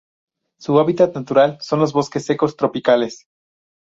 Su hábitat natural son los bosques secos tropicales.